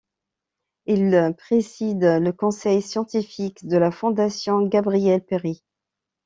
Il préside le conseil scientifique de la Fondation Gabriel-Péri.